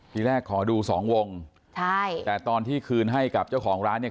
ทีแรกขอดูสองวงใช่แต่ตอนที่คืนให้กับเจ้าของร้านเนี่ย